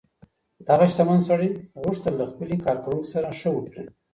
دغه شتمن سړي غوښتل له خپلې کارکوونکې سره ښه وکړي.